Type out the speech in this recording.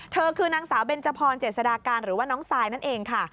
เธอคือนางสาวเบนจพรเจษฎาการหรือว่าน้องซายนั่นเองค่ะ